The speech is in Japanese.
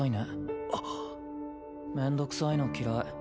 面倒くさいの嫌い。